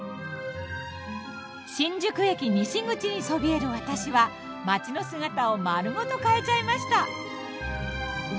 新宿駅西口にそびえる私は街の姿を丸ごと変えちゃいました。